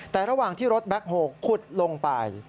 แต่ระหว่างที่รถแบ็คโฮลขุดลงไป